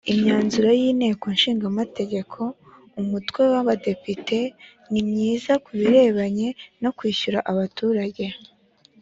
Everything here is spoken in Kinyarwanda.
imyanzuro y’inteko ishinga amategeko umutwe w’abadepite ni myiza ku birebana no kwishyura abaturage